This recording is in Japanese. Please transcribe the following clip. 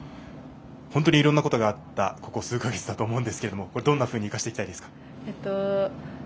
本当にいろんなことがあったここ数か月だったと思うんですけどどんなふうに生かしていきたいですか。